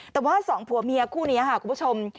แต่ว่าสองผัวเมียคู่นี้ค่ะคุณผู้ชม